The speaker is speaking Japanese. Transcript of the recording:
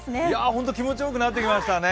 本当に気持ちよくなってきましたね。